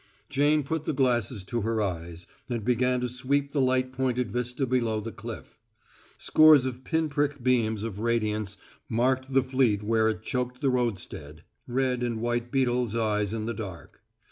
Jane put the glasses to her eyes, and began to sweep the light pointed vista below the cliff. Scores of pin prick beams of radiance marked the fleet where it choked the roadstead red and white beetles' eyes in the dark.